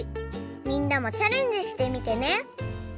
みんなもチャレンジしてみてね！